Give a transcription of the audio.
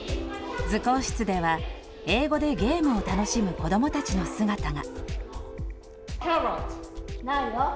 図工室では、英語でゲームを楽しむ子どもたちの姿が。